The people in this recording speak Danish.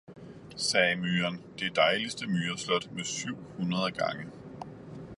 sagde Myren, det deiligste Myreslot med syv hundrede Gange.